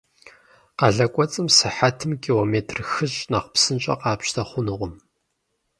Къалэ кӏуэцӏым сыхьэтым километр хыщӏ нэхъ псынщӏэ къапщтэ хъунукъым.